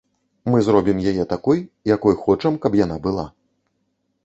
Мы зробім яе такой, якой хочам, каб яна была.